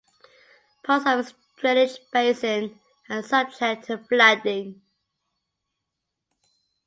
Parts of its drainage basin are subject to flooding.